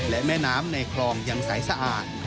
และแม่น้ำในคลองยังใสสะอาด